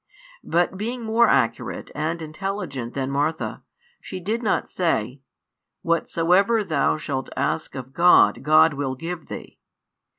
But being more accurate and intelligent than Martha, she did not say: Whatsoever Thou shalt ask of God God will give Thee.